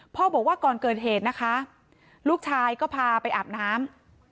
บอกว่าก่อนเกิดเหตุนะคะลูกชายก็พาไปอาบน้ำ